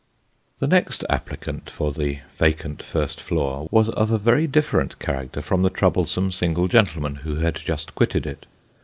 The next applicant for the vacant first floor, was of a very different character from the troublesome single gentleman who had just quitted it.